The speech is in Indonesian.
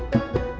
biasa aja meren